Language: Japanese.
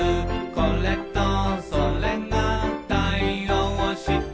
「これとそれが対応してる」